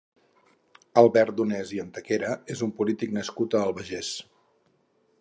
Albert Donés i Antequera és un polític nascut a l'Albagés.